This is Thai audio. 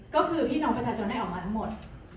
ก็คือพี่น้องประชาชนได้ออกมาทั้งหมด